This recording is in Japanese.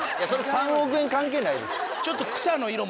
３億円関係ないです。